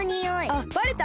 あっバレた？